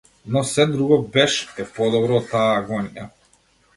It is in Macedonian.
Но сѐ друго беш е подобро од таа агонија!